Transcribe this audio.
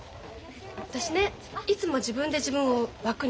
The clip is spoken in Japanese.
私ねいつも自分で自分を枠にはめてたの。